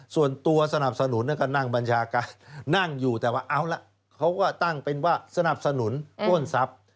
ส่วนตัวสนับสนุนก็นั่งบัญชาการนั่งอยู่แต่ว่าเอาละเขาก็ตั้งเป็นว่าสนับสนุนปล้นทรัพย์